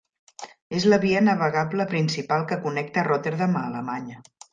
És la via navegable principal que connecta Rotterdam a Alemanya.